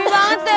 cemi banget ya